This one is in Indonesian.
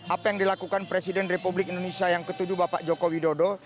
apa yang dilakukan presiden republik indonesia yang ketujuh bapak joko widodo